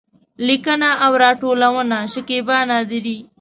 لیکنه او راټولونه: شکېبا نادري